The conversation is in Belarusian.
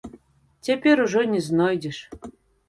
Цяпер ужо не знойдзеш.